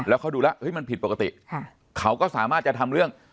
แล้วเขาดูแล้วมันผิดปกติเขาก็สามารถจะทำเรื่อง